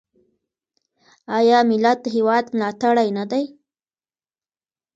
آیا ملت د هیواد ملاتړی نه دی؟